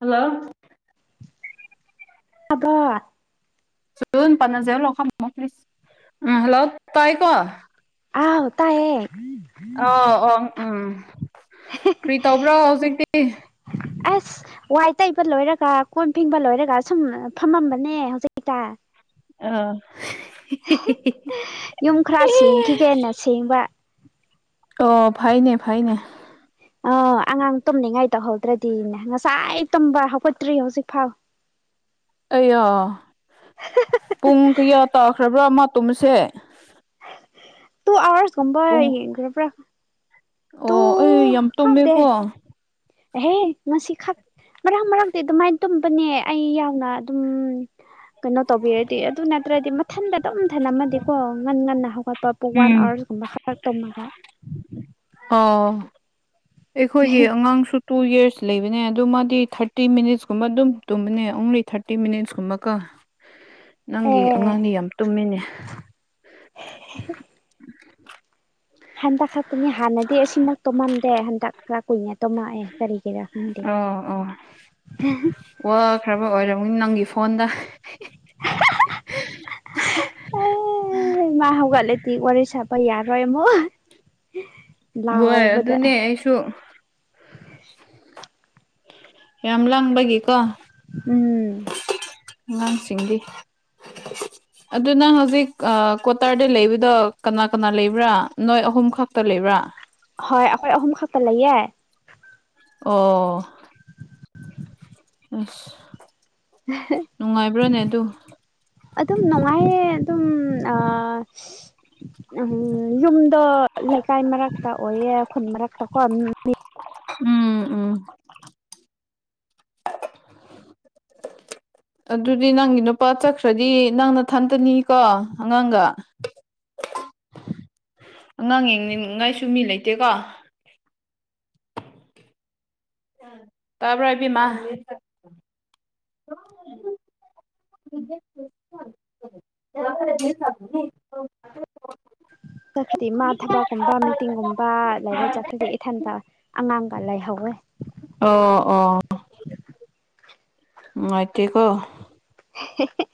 Hello ꯑꯕ [unintelligible] [unintelligible] [unintelligible] ꯎꯝ hello ꯇꯥꯏ ꯀꯣ ꯑꯥꯎ ꯇꯥꯌꯦ ꯑꯣ ꯑꯣ ꯎꯝ ꯀꯔꯤ ꯇꯧꯕ꯭ꯔꯣ ꯍꯧꯖꯤꯛꯇꯤ ꯑꯁ ꯋꯥꯏ ꯇꯩꯕ ꯂꯣꯏꯔꯒ ꯀꯣꯟ ꯐꯦꯡꯕ ꯂꯣꯏꯔꯒ ꯁꯨꯝ ꯐꯝꯃꯝꯕꯅꯦ ꯍꯧꯖꯤꯛꯇ ꯑꯥ ꯌꯨꯝ ꯈꯔ ꯁꯦꯡꯈꯤꯒꯦꯅ ꯁꯦꯡꯕ ꯑꯣ ꯐꯩꯅꯦ ꯐꯩꯅꯦ ꯑꯣ ꯑꯉꯥꯡ ꯇꯨꯝꯃꯤꯉꯥꯏ ꯇꯧꯍꯧꯗ꯭ꯔꯗꯤꯅꯦ ꯉꯁꯥꯏ ꯇꯨꯝꯕ ꯍꯧꯒꯠꯇ꯭ꯔꯤ ꯍꯧꯖꯤꯛ ꯐꯥꯎ ꯑꯩꯌꯥ ꯄꯨꯡ ꯀꯌꯥ ꯇꯥꯈ꯭ꯔꯕ꯭ꯔꯥ ꯃꯥ ꯇꯨꯝꯕꯁꯦ ꯇꯨ ꯑꯋꯥꯔꯁꯒꯨꯝꯕ ꯄꯨꯡ ꯍꯦꯟꯈꯔꯕꯔ ꯑꯣ ꯑꯩ ꯌꯥꯝ ꯇꯨꯝꯃꯦꯀꯣ ꯍꯦ ꯅꯁꯤ ꯈꯛ ꯃꯔꯛ ꯃꯔꯛꯇꯤ ꯑꯗꯨꯃꯥꯥꯏ ꯇꯨꯝꯕꯅꯦ ꯑꯩ ꯌꯥꯎꯅ ꯑꯗꯨꯝ ꯀꯩꯅꯣ ꯇꯧꯕꯤꯔꯗꯤ ꯑꯗꯨ ꯅꯠꯇ꯭ꯔ ꯃꯊꯟꯗ ꯑꯗꯨꯝ ꯊꯅꯝꯃꯗꯤꯀꯣ ꯉꯟ ꯉꯟꯅ ꯍꯧꯒꯠꯄ ꯋꯥꯟ ꯎꯝ ꯑꯋꯥꯋꯔꯁꯀꯨꯝꯕ ꯈꯠꯇ ꯇꯨꯝꯃꯒ ꯑꯣꯥ ꯑꯩꯈꯣꯏꯒꯤ ꯑꯉꯥꯡꯁꯨ ꯇꯨ ꯌꯔꯁ ꯂꯩꯕꯅꯦ ꯑꯗꯨ ꯃꯥꯗꯤ ꯊꯥꯔꯇꯤ ꯃꯤꯅꯠꯁꯀꯨꯝꯕ ꯑꯗꯨꯝ ꯇꯨꯝꯕꯅꯦ ꯑꯣꯡꯂꯤ ꯊꯥꯔꯇꯤ ꯃꯤꯅꯤꯠꯁꯀꯨꯝꯕꯀꯣ ꯅꯪꯒꯤ ꯑꯦ ꯑꯉꯥꯡꯗꯤ ꯌꯥꯝ ꯇꯨꯝꯃꯦꯅꯦ [unintelligible] ꯍꯟꯗꯛ ꯈꯛꯇꯅꯤ ꯍꯥꯟꯅꯗꯤ ꯑꯁꯤꯃ ꯇꯣꯃꯝꯗꯦ ꯍꯟꯗꯛ ꯈꯔ ꯀꯨꯏꯅ ꯇꯨꯝꯃ ꯑꯦ ꯀꯔꯤꯀꯤꯔꯥ ꯈꯪꯗꯦ꯫ ꯋꯥ ꯈ꯭ꯔꯕ ꯑꯣꯏꯔꯝꯅꯤ ꯅꯪꯒꯤ ꯐꯣꯟꯗ꯫ [unintelligible] ꯑꯦ ꯃꯥ ꯍꯧꯒꯠꯂꯗꯤ ꯋꯥꯔꯤ ꯁꯕ ꯌꯥꯔꯣꯏ ꯑꯃꯨꯛ ꯍꯣꯏ ꯂꯥꯎꯕꯗ ꯑꯗꯨꯅꯦ ꯑꯩꯁꯨ ꯌꯥꯝ ꯂꯥꯡꯕꯒꯤꯀꯣ ꯎꯝ ꯑꯉꯥꯡꯁꯤꯡꯗꯤ ꯑꯗꯨ ꯅꯪ ꯍꯧꯖꯤꯛ ꯀ꯭ꯋꯥꯇꯥꯔꯗ ꯂꯩꯕꯗꯣ ꯀꯅꯥ ꯀꯅꯥ ꯂꯩꯕ꯭ꯔꯥ ꯅꯣꯏ ꯑꯍꯨꯝ ꯈꯛꯇ ꯂꯩꯕ꯭ꯔꯥ꯫ ꯍꯣꯏ ꯑꯩꯈꯣꯏ ꯑꯍꯨꯝ ꯈꯛꯇ ꯂꯩꯌꯦ꯫ ꯑꯣ ꯑꯁ ꯅꯨꯡꯉꯥꯏꯕ꯭ꯔꯥꯅꯦ ꯑꯗꯨ ꯑꯗꯨꯝ ꯅꯨꯡꯉꯥꯏꯌꯦ ꯑꯗꯨꯝ ꯑ ꯎꯝ ꯌꯨꯝꯗꯣ ꯂꯩꯀꯥꯏ ꯃꯔꯛꯇ ꯑꯣꯏꯌꯦ ꯈꯨꯟ ꯃꯔꯛꯇꯀꯣ ꯃꯤ ꯎꯝ ꯎꯝ ꯑꯗꯨꯗꯤ ꯅꯪꯒꯤ ꯅꯨꯄꯥ ꯆꯠꯈ꯭ꯔꯗꯤ ꯅꯪ ꯅꯊꯟꯇꯅꯤꯀꯣ ꯑꯉꯥꯡꯒ ꯑꯉꯥꯡ ꯌꯦꯡꯅꯤꯡꯉꯥꯏꯁꯨ ꯃꯤ ꯂꯩꯇꯦꯀꯣ꯫ ꯇꯕ꯭ꯔ ꯏꯕꯦꯝꯃ [inaudible] ꯆꯠꯈ꯭ꯔꯗꯤ ꯃꯥ ꯊꯕꯛꯀꯨꯝꯕ ꯃꯤꯇꯤꯡꯒꯨꯝꯕ ꯂꯩꯥꯏꯔ ꯆꯠꯈ꯭ꯔꯗꯤ ꯏꯊꯟꯇ ꯑꯉꯥꯡꯒ ꯂꯩꯍꯧꯋꯦ꯫ ꯑꯣ ꯑꯣꯥ ꯅꯨꯡꯉꯥꯏꯇꯦꯀꯣ꯫ ꯍꯦ ꯍꯦ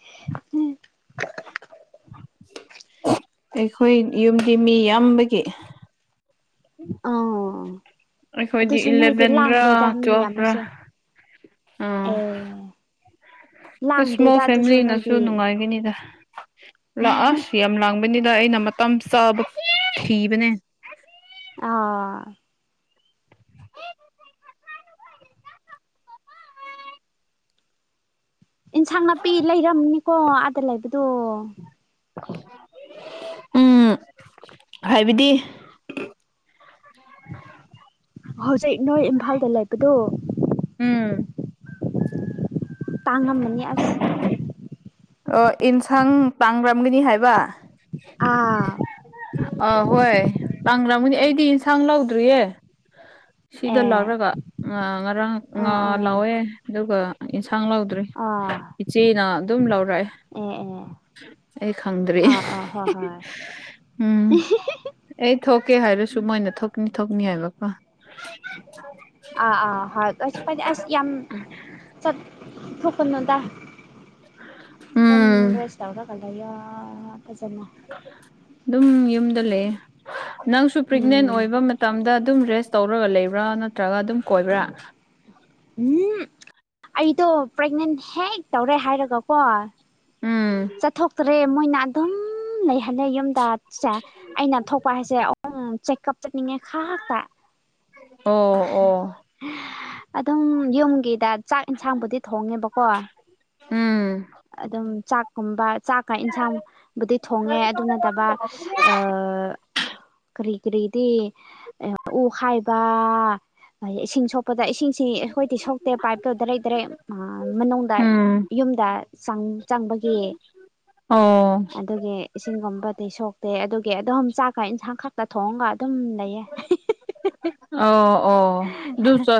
ꯑꯩꯈꯣꯏ ꯌꯨꯝꯗꯤ ꯃꯤ ꯌꯥꯝꯕꯒꯤ ꯑꯥ ꯑꯩꯈꯣꯏꯗꯤ ꯑꯗꯨꯁꯨ ꯅꯣꯏꯗꯤ ꯏꯂꯚꯦꯟꯔꯥ ꯂꯥꯡꯗꯦꯗ ꯃꯤ ꯇꯨꯋꯦꯜꯐꯔꯥ ꯌꯥꯝꯃꯁꯨ ꯑꯥ ꯑꯦ ꯏꯁꯃꯣꯜ ꯂꯥꯡꯗꯦꯗ ꯑꯗꯨꯁꯨ ꯐꯦꯃꯤꯂꯤꯅꯁꯨ ꯅꯣꯏꯗꯤ ꯅꯨꯡꯉꯥꯏꯒꯅꯤꯗ꯫ ꯂꯥꯛ ꯑꯁ ꯌꯥꯝ ꯂꯥꯡꯕꯅꯤꯗ ꯑꯩꯅ ꯃꯇꯝ ꯆꯥꯕ ꯊꯤꯕꯅꯦ꯫ ꯑꯥ ꯏꯟꯁꯥꯡ ꯅꯥꯄꯤ ꯂꯩꯔꯝꯅꯤꯀꯣ ꯑꯥꯗ ꯂꯩꯕꯗꯣ꯫ ꯎꯝ ꯍꯥꯏꯕꯗꯤ ꯍꯧꯖꯤꯛ ꯅꯣꯏ ꯏꯝꯐꯥꯜꯗ ꯂꯩꯕꯗꯣ꯫ ꯎꯝ ꯇꯥꯡꯉꯝꯃꯅꯤ ꯑꯁ ꯑꯣ ꯏꯟꯁꯥꯡ ꯇꯥꯡꯕꯝꯅꯤ ꯍꯥꯏꯕ ꯑꯥ ꯑꯍꯣꯏ ꯇꯥꯡꯂꯝꯒꯅꯤ ꯑꯩꯗꯤ ꯏꯟꯁꯥꯡ ꯂꯧꯗ꯭ꯔꯤꯌꯦ꯫ ꯁꯤꯗ ꯑꯦ ꯂꯥꯛꯂꯒ ꯉꯥ ꯉꯔꯥꯡ ꯉꯥ ꯑꯥ ꯑꯥ ꯂꯧꯋꯦ꯫ ꯑꯗꯨꯒ ꯏꯟꯁꯥꯡ ꯂꯧꯗ꯭ꯔꯦ ꯑꯥ ꯏꯆꯦꯅ ꯑꯗꯨꯝ ꯂꯧꯔꯛꯑꯦ꯫ ꯑꯦ ꯑꯦ ꯑꯩ ꯈꯪꯗ꯭ꯔꯤ ꯑꯥ ꯑꯥ ꯍꯣꯏ ꯍꯣꯏ ꯎꯝ ꯑꯩ ꯊꯣꯛꯀꯦ ꯍꯥꯏꯔꯁꯨ ꯃꯣꯏꯅ ꯊꯣꯛꯅꯤ ꯊꯣꯛꯅꯤ ꯍꯥꯏꯕꯀꯣ꯫ ꯑꯥ ꯑꯥ ꯍꯣꯏꯗ ꯑꯁ ꯌꯥꯝ ꯆꯠ ꯊꯣꯛꯀꯅꯨꯗ꯫ ꯑꯗꯨꯝ ꯎꯝ ꯔꯦꯁ ꯇꯧꯔꯒ ꯂꯩꯌꯣ ꯐꯖꯅ꯫ ꯑꯗꯨꯝ ꯌꯨꯝꯗ ꯂꯩꯌꯦ ꯅꯪꯁꯨ ꯄ꯭ꯔꯦꯒꯅꯦꯟ ꯎꯝ ꯑꯣꯏꯕ ꯃꯇꯝꯗ ꯑꯗꯨꯝ ꯔꯦꯁ ꯇꯧꯔꯒ ꯂꯩꯕ꯭ꯔ ꯅꯠꯇ꯭ꯔꯒ ꯑꯗꯨꯝ ꯀꯣꯏꯕ꯭ꯔ ꯎꯝ ꯑꯩꯗꯣ ꯄ꯭ꯔꯦꯒꯅꯦꯟ ꯍꯦꯛ ꯇꯧꯔꯦ ꯍꯥꯏꯔꯒꯀꯣ ꯎꯝ ꯆꯠꯊꯣꯛꯇ꯭ꯔꯦ ꯃꯣꯏꯅ ꯑꯗꯨꯝ ꯂꯩꯍꯜꯂꯦ ꯌꯨꯝꯗ ꯁꯦ ꯑꯩꯅ ꯊꯣꯛꯄ ꯍꯥꯏꯁꯦ ꯆꯦꯛꯑꯞ ꯆꯠꯅꯤꯡꯉꯦ ꯈꯛꯇ ꯑꯣ ꯑꯣ ꯑꯗꯨꯝ ꯌꯨꯝꯒꯤꯗ ꯆꯥꯛ ꯌꯦꯟꯁꯥꯡꯕꯨꯗꯤ ꯊꯣꯡꯉꯦꯕꯀꯣ ꯎꯝ ꯑꯗꯨꯝ ꯆꯥꯛꯀꯨꯝꯕ ꯆꯥꯛꯀ ꯏꯟꯁꯥꯡꯕꯨꯗꯤ ꯊꯣꯡꯉꯦ ꯑꯗꯨ ꯅꯠꯇꯕ ꯑꯥ ꯀꯔꯤ ꯀꯔꯤꯗꯤ ꯎ ꯈꯥꯏꯕ ꯏꯁꯤꯡ ꯁꯣꯛꯄꯗ ꯏꯁꯤꯡ ꯁꯤ ꯑꯩꯈꯣꯏꯗꯤ ꯁꯣꯛꯇꯦ ꯄꯥꯏꯞꯗ ꯗꯥꯏꯔꯦꯛ ꯗꯥꯏꯔꯦꯛ ꯃꯅꯨꯡꯗ ꯎꯝ ꯌꯨꯝꯗ ꯆꯪ ꯆꯪꯕ ꯗꯤ ꯑꯣ ꯑꯗꯨꯒꯤ ꯏꯁꯤꯡꯒꯨꯝꯕꯗꯤ ꯁꯣꯛꯇꯦ ꯑꯗꯨꯒꯤ ꯑꯗꯨꯝ ꯆꯥꯛꯀ ꯏꯟꯁꯥꯡ ꯈꯛꯇ ꯊꯣꯡꯉꯒ ꯑꯗꯨꯝ ꯂꯩꯌꯦ ꯑꯣ ꯑꯣ ꯑꯗꯨꯁꯨ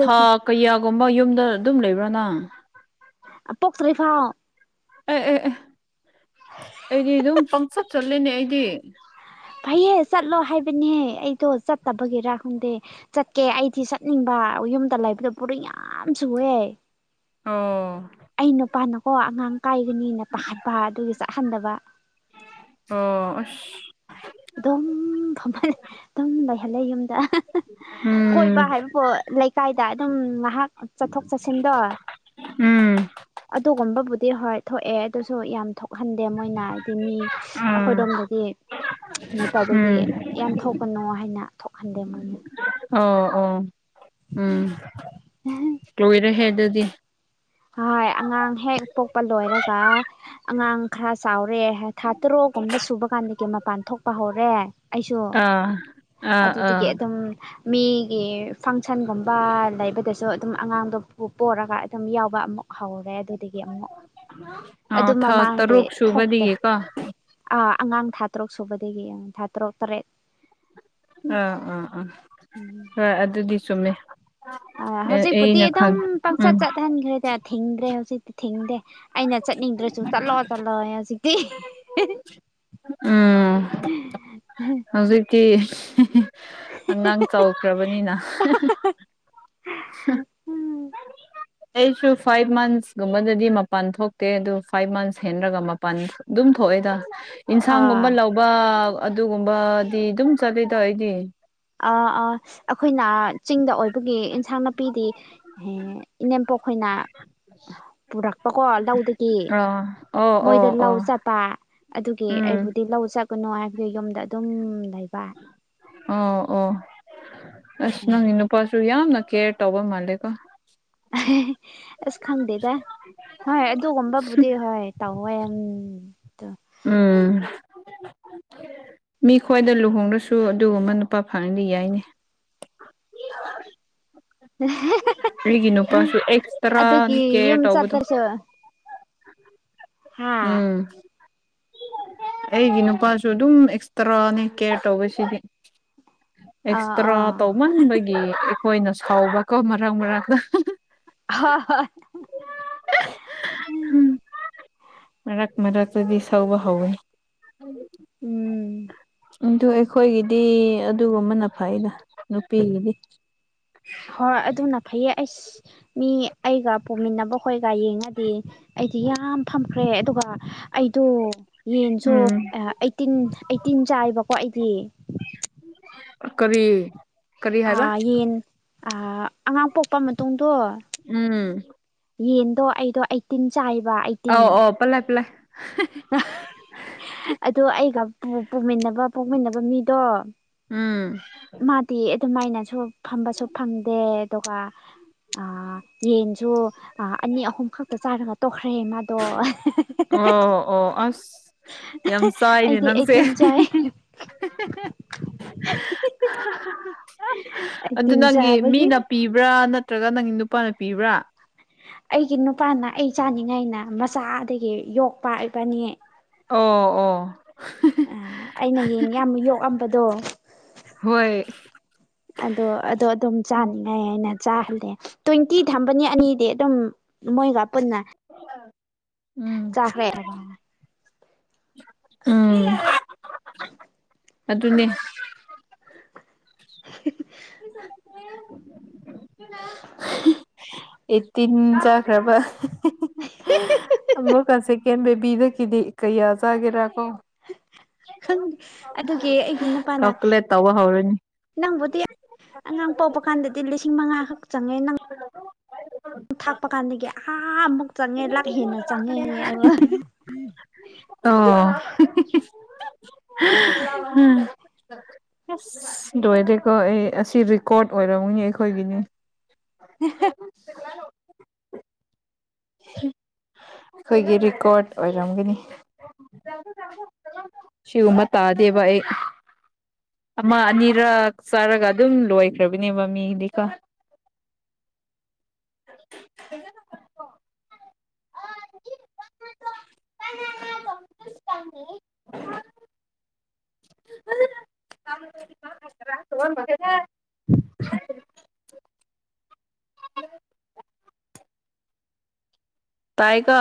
ꯊꯥ ꯀꯌꯥꯒꯨꯝꯕ ꯌꯨꯝꯗ ꯑꯗꯨꯝ ꯂꯩꯕ꯭ꯔ ꯅꯪ ꯄꯣꯛꯇ꯭ꯔꯤ ꯐꯥꯎ ꯑꯦ ꯑꯦ ꯑꯦ ꯑꯩꯗꯤ ꯑꯗꯨꯝ ꯄꯪꯆꯠ ꯆꯠꯂꯦꯅꯦ ꯑꯩꯗꯤ ꯐꯩꯍꯦ ꯆꯠꯂꯣ ꯍꯥꯏꯕꯅꯦꯍ ꯑꯩꯗꯣ ꯆꯠꯇꯕꯒꯤꯔꯥ ꯈꯪꯗꯦ ꯆꯠꯀꯦ ꯑꯩꯗꯤ ꯆꯠꯅꯤꯡꯕ ꯌꯨꯝꯗ ꯂꯩꯕꯗ ꯄꯣꯔꯤꯡ ꯌꯥꯝ ꯆꯨꯢꯑꯦ ꯑꯣ ꯑꯩ ꯅꯨꯄꯥꯅꯀꯣ ꯑꯉꯥꯡ ꯀꯥꯏꯒꯅꯤꯅ ꯄꯥꯈꯠꯄ ꯑꯗꯨꯒꯤ ꯆꯥꯠꯍꯟꯗꯕ ꯑꯣ ꯑꯁ ꯑꯗꯨꯝ ꯐꯝꯃ ꯑꯗꯨꯝ ꯂꯩꯍꯜꯂꯦ ꯌꯨꯝꯗ ꯎꯝ ꯀꯣꯏꯕ ꯍꯥꯏꯕꯕꯨ ꯂꯩꯀꯥꯏꯗ ꯑꯗꯨꯝ ꯉꯥꯏꯍꯥꯛ ꯆꯠꯊꯣꯛ ꯆꯠꯁꯤꯟꯗꯣ ꯎꯝ ꯑꯗꯨꯒꯨꯝꯕꯕꯨꯗꯤ ꯍꯣꯏ ꯊꯣꯛꯑꯦ ꯑꯗꯨꯁꯨ ꯌꯥꯝ ꯊꯣꯛ ꯈꯪꯗꯦ ꯃꯣꯏꯅ ꯍꯥꯏꯗꯤ ꯃꯤ ꯑꯥ ꯑꯩꯈꯣꯏꯔꯣꯝꯗꯗꯤ ꯅ ꯇꯧꯕꯒꯤ ꯎꯝ ꯌꯥꯝ ꯊꯣꯛꯀꯅꯣ ꯍꯥꯏꯅ ꯊꯣꯛꯍꯟꯗꯦ ꯃꯣꯏꯅ ꯑꯣ ꯑꯣ ꯎꯝ ꯂꯣꯏꯔꯦꯍꯦ ꯑꯗꯨꯗꯤ ꯍꯣꯢ ꯑꯉꯥꯡ ꯍꯦꯛ ꯄꯣꯛꯄ ꯂꯣꯏꯔꯒ ꯑꯉꯥꯡ ꯈꯔ ꯆꯥꯎꯔꯦ ꯊꯥ ꯇꯔꯨꯛꯒꯨꯝꯕ ꯁꯨꯕ ꯀꯥꯟꯗꯗꯒꯤ ꯃꯄꯥꯟ ꯊꯣꯛ ꯄꯥ ꯍꯧꯔꯦ ꯑꯩꯁꯨ ꯑꯥ ꯑꯥ ꯑꯥ ꯑꯗꯨꯗꯒꯤ ꯑꯗꯨꯝ ꯃꯤꯒꯤ ꯐꯪꯁꯟꯒꯨꯝꯕ ꯂꯩꯕꯗꯁꯨ ꯑꯗꯨꯝ ꯑꯉꯥꯡꯗꯣ ꯄꯣꯔꯒ ꯑꯗꯨꯝ ꯌꯥꯎ ꯑꯃꯨꯛ ꯍꯧꯕ ꯑꯗꯨꯗꯒꯤ ꯑꯃꯨꯛ ꯑꯗꯨ ꯑꯥ ꯊꯥ ꯇꯔꯨꯛ ꯃꯃꯥꯡꯗꯒꯤ ꯊꯣꯛꯇꯦ ꯁꯨꯕꯗꯒꯤꯀꯣ ꯑꯥ ꯑꯉꯥꯡ ꯊꯥ ꯇꯔꯨꯛ ꯁꯨꯕꯗꯒꯤ ꯊꯥ ꯇꯔꯨꯛ ꯇꯔꯦꯠ ꯑꯥ ꯑꯥ ꯑꯥ ꯎꯝ ꯍꯣꯏ ꯑꯗꯨꯗꯤ ꯆꯨꯝꯃꯦ ꯑꯥ ꯑꯦ ꯍꯧꯖꯤꯛꯄꯨꯗꯤ ꯑꯩꯅ ꯑꯗꯨꯝ ꯈꯪꯉꯦ ꯄꯪꯆꯠ ꯎꯝ ꯆꯠꯍꯟꯈ꯭ꯔꯦꯗ ꯊꯤꯡꯗ꯭ꯔꯦ ꯍꯧꯖꯤꯛꯇꯤ ꯊꯤꯡꯗꯦ ꯑꯩꯅ ꯆꯠꯅꯤꯡꯗ꯭ꯔꯁꯨ ꯆꯠꯂꯣ ꯆꯠꯂꯣ ꯍꯧꯖꯤꯛꯇꯤ ꯎꯝ ꯍꯧꯖꯤꯛꯛꯇꯤ ꯑꯉꯥꯡ ꯆꯥꯎꯈ꯭ꯔꯕꯅꯤꯅ ꯎꯝ ꯑꯩꯁꯨ ꯐꯥꯏꯚ ꯃꯟꯁꯀꯨꯝꯕꯗꯗꯤ ꯃꯄꯥꯟ ꯊꯣꯛꯇꯦ ꯑꯗꯨ ꯐꯥꯏꯚ ꯃꯟꯁ ꯍꯦꯟꯂꯒ ꯄꯥꯜ ꯑꯗꯨꯝ ꯊꯣꯛꯑꯦꯗ ꯌꯦꯟꯁꯥꯡꯒꯨꯝꯕ ꯑꯥ ꯂꯧꯕ ꯑꯗꯨꯒꯨꯝꯕꯗꯤ ꯑꯗꯨꯝ ꯆꯠꯂꯤꯗ ꯑꯩꯗꯤ꯫ ꯑꯥ ꯑꯥ ꯑꯩꯈꯣꯏꯅ ꯆꯤꯡꯗ ꯑꯣꯏꯕꯒꯤ ꯏꯟꯁꯥꯡ ꯅꯥꯄꯤꯗꯤ ꯏꯅꯦꯝꯄꯣꯛ ꯈꯣꯏꯅꯥ ꯄꯨꯔꯛꯄꯀꯣ ꯂꯧꯗꯒꯤ ꯑꯥ ꯑꯣ ꯃꯣꯏꯗ ꯑꯣ ꯂꯧ ꯑꯣ ꯆꯠ ꯄꯥ ꯑꯗꯨꯒꯤ ꯎꯝ ꯑꯩꯕꯨꯗꯤ ꯂꯧ ꯆꯠꯀꯅꯨ ꯍꯥꯏꯕꯒꯤ ꯌꯨꯝꯗ ꯑꯗꯨꯝ ꯂꯩꯕ꯫ ꯑꯣ ꯑꯣ ꯑꯁ ꯅꯪꯗꯤ ꯅꯨꯞ ꯄꯁꯨ ꯌꯥꯝꯅ ꯀꯦꯌꯔ ꯇꯧꯕ ꯃꯥꯜꯂꯦꯀꯣ꯫ [unintelligible] ꯑꯁ ꯈꯪꯗꯦꯗ ꯍꯣꯏ ꯑꯗꯨꯒꯨꯝꯕꯕꯨꯗꯤ ꯍꯣꯏ ꯇꯧꯋꯦ ꯎꯝ ꯎꯝ ꯃꯤ ꯈ꯭ꯋꯥꯏꯗ ꯂꯨꯍꯣꯡꯗ꯭ꯔꯁꯨ ꯑꯗꯨꯒꯨꯝꯕ ꯅꯨꯄꯥ ꯐꯪꯉꯗꯤ ꯌꯥꯏꯅꯦ꯫ [unintelligible] [unintelligible] ꯑꯩꯒꯤ ꯅꯨꯄꯥꯁꯨ ꯑꯩꯈꯛꯇꯔ ꯑꯗꯨꯒꯤ ꯌꯨꯝ ꯀꯦꯌꯔ ꯇꯧꯕꯗꯨ ꯆꯠꯇ꯭ꯔꯁꯨ ꯍꯥ ꯎꯝ ꯑꯩꯒꯤ ꯅꯨꯄꯥꯁꯨ ꯑꯗꯨꯝ ꯑꯦꯛꯁꯇ꯭ꯔꯥꯅꯦ ꯀꯦꯌꯔ ꯇꯧꯕ ꯁꯤꯗꯤ꯫ ꯑꯥ ꯑꯦꯛꯁꯇ꯭ꯔꯥ ꯑꯥ ꯇꯧꯃꯟꯕꯒꯤ ꯑꯩꯈꯣꯏꯅ ꯁꯥꯎꯕꯀꯣ ꯃꯔꯛ ꯃꯔꯛꯇ ꯍꯥ ꯍꯥ ꯃꯔꯛ ꯃꯔꯛꯇꯗꯤ ꯇꯧꯕ ꯍꯧꯋꯦ꯫ ꯎꯝ ꯑꯗꯨ ꯑꯩꯈꯣꯏꯒꯤꯗꯤ ꯑꯗꯨꯒꯨꯝꯕꯅ ꯐꯩꯗ ꯅꯨꯄꯤꯒꯤꯗꯤ꯫ ꯍꯣꯏ ꯑꯗꯨꯅ ꯐꯩꯌꯦ ꯑꯩꯁ ꯃꯤ ꯑꯩꯒ ꯄꯨꯃꯤꯟꯅꯕꯈꯣꯏꯒ ꯌꯦꯡꯉꯗꯤ ꯑꯩꯗꯤ ꯌꯥꯝ ꯐꯝꯈ꯭ꯔꯦ ꯑꯗꯨꯒ ꯑꯩꯗꯣ ꯌꯦꯟꯁꯨ ꯎꯝ ꯑꯩꯠꯇꯤꯟ ꯑꯩꯠꯇꯤꯟ ꯆꯥꯏꯕꯀꯣ ꯑꯩꯗꯤ ꯀꯔꯤ ꯀꯔꯤ ꯍꯥꯏꯕ ꯑꯥ ꯌꯦꯟ ꯑ ꯑꯉꯥꯡ ꯄꯣꯛꯄ ꯃꯇꯨꯡꯗꯣ ꯎꯝ ꯌꯦꯟꯗꯣ ꯑꯩꯗꯣ ꯑꯩꯇꯤꯟ ꯆꯥꯏꯕ ꯑꯥꯎ ꯑꯣ ꯄꯂꯦ ꯄꯂꯦ ꯑꯗꯨ ꯑꯩꯒ ꯄꯨꯃꯤꯟꯅꯕ ꯄꯣꯛꯃꯤꯟꯅꯕ ꯃꯤꯗꯣ ꯎꯝ ꯃꯥꯗꯤ ꯑꯗꯨꯝꯃꯥꯏꯅꯁꯨ ꯐꯝꯕꯁꯨ ꯐꯪꯗꯦ ꯑꯗꯨꯒ ꯑꯥ ꯌꯦꯟꯁꯨ ꯑꯅꯤ ꯑꯍꯨꯝ ꯈꯛꯇ ꯆꯥꯏꯔꯒ ꯇꯣꯛꯈ꯭ꯔꯦ ꯃꯥꯗꯣ ꯑꯣ ꯑꯣ ꯑꯁ ꯌꯥꯝ ꯆꯥꯏꯅꯦ ꯑꯩꯗꯤ ꯅꯪꯁꯦ ꯑꯩꯠꯇꯤꯟ ꯆꯥꯏ [inaudible] [inaudible] ꯑꯗꯨ ꯑꯩꯠꯇꯤꯟ ꯅꯪꯒꯤ ꯆꯥꯕꯒꯤ ꯃꯤꯅ ꯄꯤꯕ꯭ꯔꯥ ꯅꯠꯇ꯭ꯔꯒ ꯅꯪꯒꯤ ꯅꯨꯄꯥꯅ ꯄꯤꯕ꯭ꯔꯥ? ꯑꯩꯒꯤ ꯅꯨꯄꯥꯅ ꯑꯩ ꯆꯥꯅꯤꯡꯉꯥꯏꯅ ꯃꯆꯥꯗꯒꯤ ꯌꯣꯛꯄꯥꯛ ꯏꯕꯥꯟꯅꯤ꯫ ꯑꯣ ꯑꯣ ꯑ ꯑꯩꯅ ꯌꯦꯡ ꯌꯥꯝ ꯌꯣꯛꯑꯝꯕꯗꯣ ꯍꯣꯏ ꯑꯗꯣ ꯑꯗꯣ ꯑꯗꯨꯝ ꯆꯥꯅꯤꯡꯉꯥꯏ ꯍꯥꯏꯅ ꯆꯥꯍꯜꯂꯦ ꯇ꯭ꯋꯦꯟꯇꯤ ꯊꯝꯕꯅꯤ ꯑꯅꯤꯗꯤ ꯑꯗꯨꯝ ꯃꯣꯏꯒ ꯄꯨꯟꯅ ꯎꯝ ꯆꯥꯈ꯭ꯔꯦ ꯎꯝ ꯑꯗꯨꯅꯦ [inaudible] [unintelligible] ꯑꯦ ꯇꯤꯟ ꯆꯠꯈ꯭ꯔꯕ ꯑꯃꯨꯛꯀ ꯁꯦꯀꯦꯟ ꯕꯦꯕꯤꯗꯒꯤꯗꯤ ꯀꯌꯥ ꯆꯒꯦꯔ ꯍꯝ ꯈꯪꯗꯦ ꯑꯗꯨꯒꯤ ꯑꯩꯒꯤ ꯅꯨꯄꯥꯅ ꯀꯥꯜꯀꯨꯂꯦꯠ ꯇꯧꯕ ꯍꯧꯔꯅꯤ ꯅꯪꯕꯨꯗꯤ ꯑꯉꯥꯡ ꯄꯣꯛꯄ ꯀꯥꯟꯗꯗꯤ ꯂꯤꯁꯤꯡ ꯃꯉꯥ ꯈꯛ ꯆꯪꯉꯦ ꯅꯪ [unintelligible] ꯊꯥꯛꯄ ꯀꯥꯟꯗꯒꯤ ꯑꯥ ꯃꯨꯛ ꯆꯪꯉꯦ ꯂꯥꯛ ꯍꯦꯟꯅ ꯆꯪꯉꯦ ꯍꯌꯦꯡ ꯑꯩ ꯋꯥ ꯎꯝ ꯑꯁ ꯂꯣꯏꯔꯦꯀꯣ ꯑꯩ ꯑꯁꯤ ꯔꯦꯀꯣꯔꯠ ꯑꯣꯏꯔꯝꯅꯤ ꯑꯩꯈꯣꯏꯒꯤꯅꯤ [unintelligible] ꯑꯩꯈꯣꯏꯒꯤ ꯔꯦꯀꯣꯔꯠ ꯑꯣꯏꯔꯝꯒꯅꯤ ꯁꯤꯒꯨꯝꯕ ꯇꯥꯗꯦꯕ ꯑꯩ ꯑꯃ ꯑꯅꯤꯔꯛ ꯆꯥꯔꯒ ꯑꯗꯨꯝ ꯂꯣꯏꯈ꯭ꯔꯕꯅꯦꯕ ꯃꯤꯗꯤꯀꯣ [inaudible] [inaudible] [unintelligible] ꯇꯥꯏꯌꯦꯀꯣ